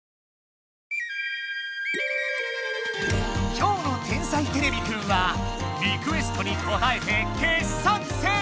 きょうの「天才てれびくん」はリクエストにこたえて傑作選！